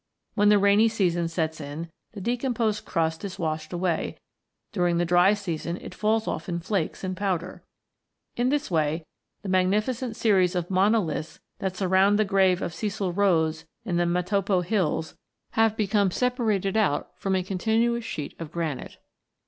When the rainy season sets in, the decomposed crust is washed away ; during the dry season it falls off in flakes and powder. In this way the magnificent series of monoliths that surround the grave of Cecil Rhodes in the Matopo Hills have become separated out from a continuous sheet of granite.